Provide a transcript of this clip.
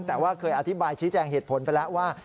แต่ว่าเคยอธิบายชี้แจงเหตุผลไปแล้วว่า